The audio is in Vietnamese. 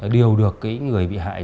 điều được cái người bị hại